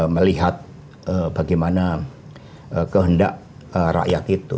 melihat bagaimana kehendak rakyat itu